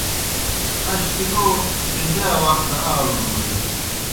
اش تُوْ لو بیزِیا وخ دہ آلونوئے۔